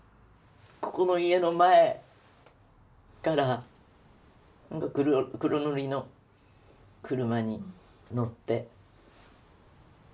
ここの家の前から黒塗りの車に乗って。